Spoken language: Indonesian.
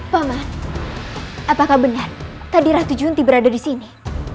paman apakah benar tadi ratu junti berada di sini